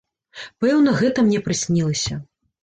Пэўна, гэта мне прыснілася.